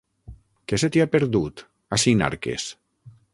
Què se t'hi ha perdut, a Sinarques?